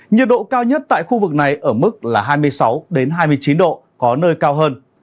nhiệt độ cao nhất tại khu vực này ở mức là hai mươi sáu hai mươi chín độ có nơi cao hơn